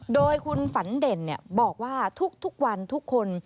โดยคุณฝันเด่นบอกว่าทุกวันทุกคน